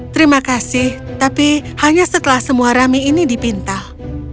terima kasih tapi hanya setelah semua rami ini dipintal